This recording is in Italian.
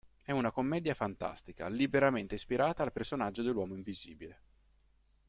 È una commedia fantastica liberamente ispirata al personaggio dell'uomo invisibile.